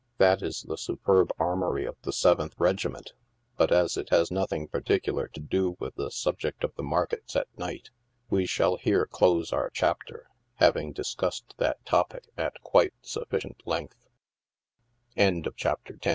That is the superb armory of the Seventh Regiment, but, as it has nothing particular to do with the subject of the markets at night, we shall here close our chapter, having discussed that topic at quite suffi